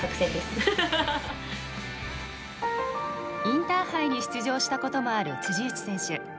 インターハイに出場したこともある辻内選手。